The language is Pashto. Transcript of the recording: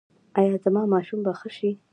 ایا زما ماشوم به ښه شي؟